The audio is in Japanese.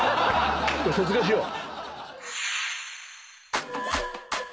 卒業しよう。